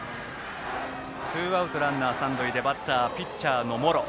ツーアウトランナー、三塁バッターはピッチャーの茂呂。